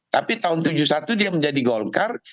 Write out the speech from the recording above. tapi tahun seribu sembilan ratus tujuh puluh satu dia menjadi golkar